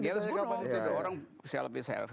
di atas gunung orang sel sel